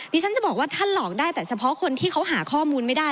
ฉันจะบอกว่าท่านหลอกได้แต่เฉพาะคนที่เขาหาข้อมูลไม่ได้